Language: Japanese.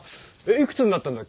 いくつになったんだっけ？